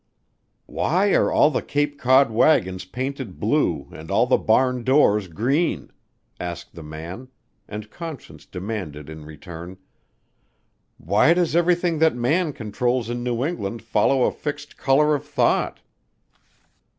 "Why are all the Cape Cod wagons painted blue and all the barn doors green?" asked the man, and Conscience demanded in return, "Why does everything that man controls in New England follow a fixed color of thought?"